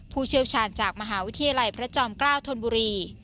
เชี่ยวชาญจากมหาวิทยาลัยพระจอมเกล้าธนบุรี